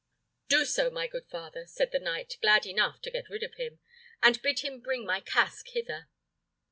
"Do so, my good father," said the knight, glad enough to get rid of him; "and bid him bring my casque hither."